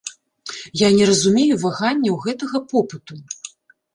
Я не разумею ваганняў гэтага попыту!